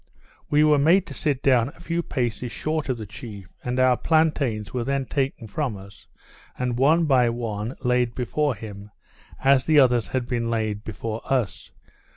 We were made to sit down a few paces short of the chief, and our plantains were then taken from us, and, one by one, laid before him, as the others had been laid before us.